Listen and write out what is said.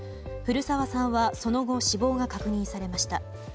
古沢さんはその後死亡が確認されました。